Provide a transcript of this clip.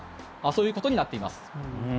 そういうことになっています。